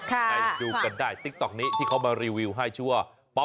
ไปดูกันได้ติ๊กต๊อกนี้ที่เขามารีวิวให้ชื่อว่า